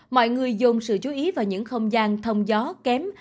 mọi người dồn sự chú ý vào những không gian thông gió kém